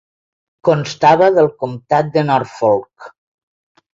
Constava del comtat de Norfolk.